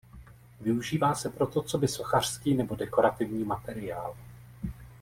Využívá se proto coby sochařský nebo dekorativní materiál.